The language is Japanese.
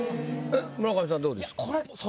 村上さんどうですか？